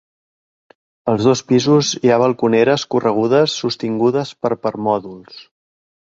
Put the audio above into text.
Als dos pisos hi ha balconeres corregudes sostingudes per permòdols.